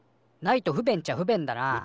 ないと不便っちゃ不便だな。